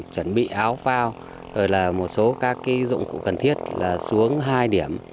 chuẩn bị áo phao rồi là một số các dụng cụ cần thiết là xuống hai điểm